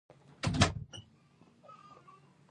سیندونه د افغانستان د دوامداره پرمختګ لپاره اړین دي.